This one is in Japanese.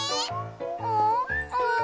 うん？